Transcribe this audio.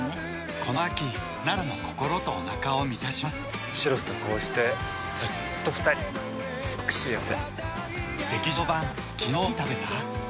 この秋あなたの心とおなかを満たしますシロさんとこうしてずっと２人すごく幸せ。